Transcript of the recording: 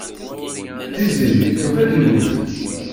Tiziri tufa-d yiwet.